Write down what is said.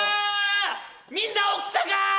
みんな起きたか！